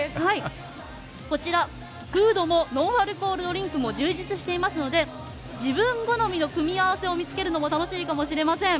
こちらフードもノンアルドリンクも充実していますので自分好みの組み合わせを見つけるのも楽しみかもしれません。